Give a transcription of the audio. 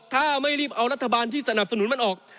ถ้าไม่รีบเอารัฐบาลที่สนับสนุนมันออก